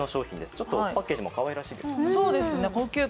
ちょっとパッケージもかわいらしいですね。